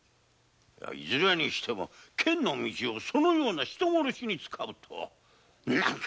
いずれにせよ剣の道をそのような人殺しに使うとは嘆かわしい。